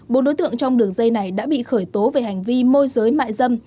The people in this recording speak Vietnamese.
bốn đối tượng trong đường dây này đã bị khởi tố về hành vi môi giới mại dâm